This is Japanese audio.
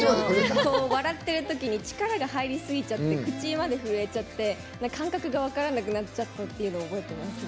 笑ってるときに力が入りすぎて口まで震えちゃって感覚が分からなくなっちゃったっていうのを覚えてますね。